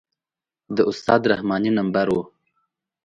د استاد رحماني نمبر و.